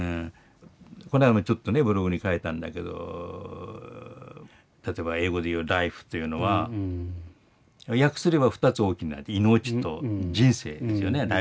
この間もちょっとねブログに書いたんだけど例えば英語で言う「ライフ」というのは訳すれば２つ大きな「命」と「人生」ですよね